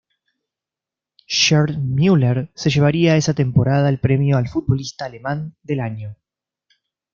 Gerd Müller se llevaría esa temporada el premio al futbolista alemán del año.